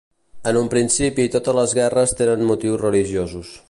En un principi totes les guerres tenien motius religiosos.